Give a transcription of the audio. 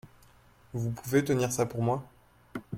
Vous pouvez tenir ça pour moi ?